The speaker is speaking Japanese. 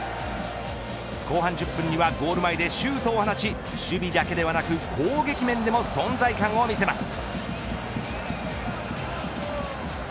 後半１０分にはゴール前でシュートを放ち守備だけではなく攻撃面でも存在感を見せます。